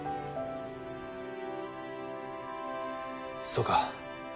そうか。